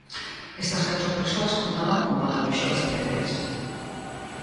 Estas catro persoas contaban con patoloxías previas.